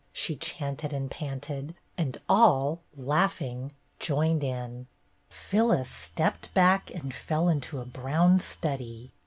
she chanted and panted; and all, laughing, joined in. Phyllis stepped back and fell into a brown study.